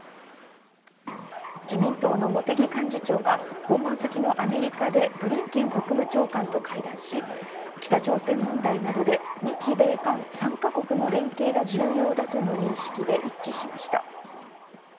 自民党の茂木幹事長が訪問先のアメリカでブリンケン国務長官と会談し、北朝鮮問題などで日米韓３か国の連携が重要だとの認識で一致しました。